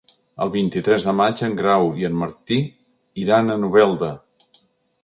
El vint-i-tres de maig en Grau i en Martí iran a Novelda.